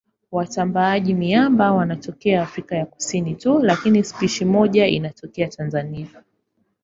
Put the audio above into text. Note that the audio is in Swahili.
Watambaaji-miamba wanatokea Afrika ya Kusini tu lakini spishi moja inatokea Tanzania.